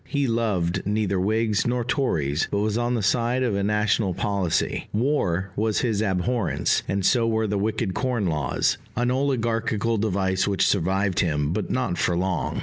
He loved neither whigs nor tories, but was on the side of a national policy: war was his abhorrence, and so were the wicked corn laws an oligarchical device which survived him, but not for long.